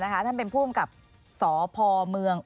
ท่านเป็นผู้อำกับสพเมือง